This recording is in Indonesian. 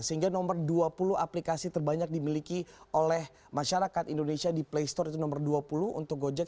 sehingga nomor dua puluh aplikasi terbanyak dimiliki oleh masyarakat indonesia di play store itu nomor dua puluh untuk gojek